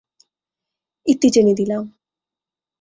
ইতি টেনে দিলাম!